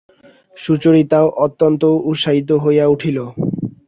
সুচরিতাও অত্যন্ত উৎসাহিত হইয়া উঠিল।